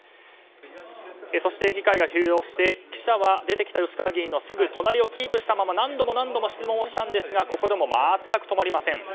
そして議会が終了して記者は出てきた吉川議員のすぐ隣をキープしたまま何度も何度も質問をしたんですがここでも全く止まりません。